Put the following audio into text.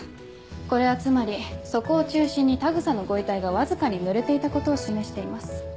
これはつまりそこを中心に田草のご遺体がわずかにぬれていたことを示しています。